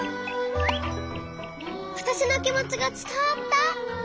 わたしのきもちがつたわった！